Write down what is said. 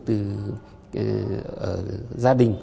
từ gia đình